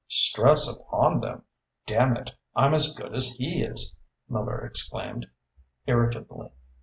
"Stress upon them? Damn it, I'm as good as he is!" Miller exclaimed irritably.